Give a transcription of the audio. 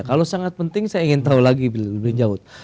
kalau sangat penting saya ingin tahu lagi lebih jauh